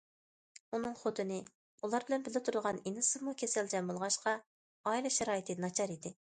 ئۇنىڭ خوتۇنى، ئۇلار بىلەن بىللە تۇرىدىغان ئىنىسىمۇ كېسەلچان بولغاچقا، ئائىلە شارائىتى ناچار ئىدى.